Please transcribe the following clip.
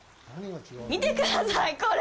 見てください、これ。